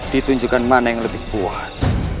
ditunjukkan mana yang lebih kuat